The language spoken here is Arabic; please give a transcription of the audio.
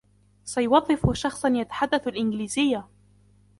سيوظف شخصا يتحدث الإنجليزية.